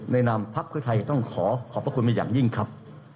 นามพักเพื่อไทยต้องขอขอบพระคุณมาอย่างยิ่งครับ